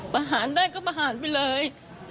ประหารได้ก็ประหารไปเลย